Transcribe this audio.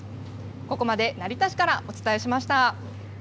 ここまで成田市からお伝えしまし